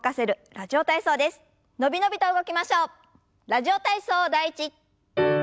「ラジオ体操第１」。